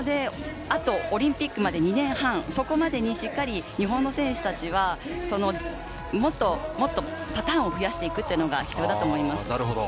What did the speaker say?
あとオリンピックまで２年半、そこまでにしっかり日本の選手たちは、もっともっとパターンを増やしていくのが必要だと思います。